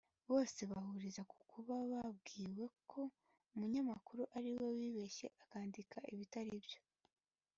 bose bahuriza ku kuba babwiwe ko umunyamakuru ariwe wibeshye akandika ibitaribyo